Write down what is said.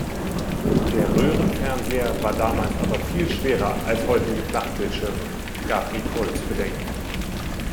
"Der Röhrenfernseher war damals aber viel schwerer als heutige Flachbildschirme", gab Nicole zu bedenken.